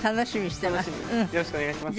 よろしくお願いします。